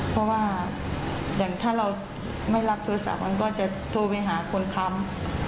เพราะว่าอย่างถ้าเราไม่รับโทรศัพท์มันก็จะโทรไปหาคนค้ำ